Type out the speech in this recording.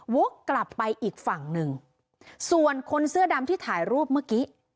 วกกลับไปอีกฝั่งหนึ่งส่วนคนเสื้อดำที่ถ่ายรูปเมื่อกี้